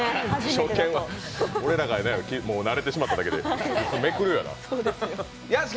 初見は、俺らがやらんのは慣れてしまっただけでめくるわな。